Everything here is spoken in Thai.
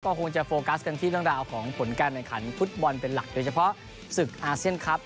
ก็คงจะโฟกัสกันที่เรื่องราวของผลการแข่งขันฟุตบอลเป็นหลักโดยเฉพาะศึกอาเซียนครับ